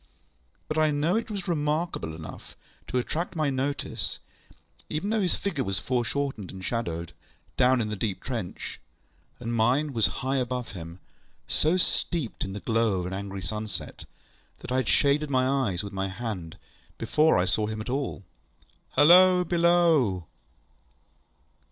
But I know it was remarkable enough to attract my notice, even though his figure was foreshortened and shadowed, down in the deep trench, and mine was high above him, so steeped in the glow of an angry sunset, that I had shaded my eyes with my hand before I saw him at all. ŌĆ£Halloa! Below!